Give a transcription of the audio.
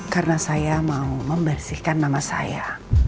karena saya mau membersihkan nama saya